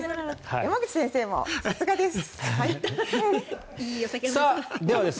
山口先生もさすがです。